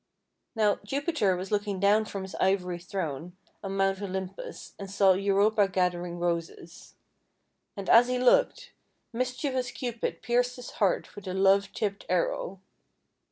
Now Jupiter was looking down from his ivory throne on Mount Olympus, and saw Europa gathering Roses. And as he looked, mischievous Cupid pierced his heart with a love tipped arrow.